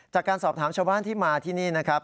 จากการสอบถามชาวบ้านที่มาที่นี่นะครับ